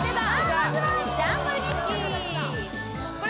まずは「ジャンボリミッキー！」